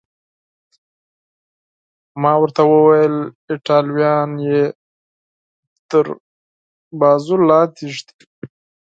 ما ورته وویل: ایټالویان یې تر بازو لاندې ږدي.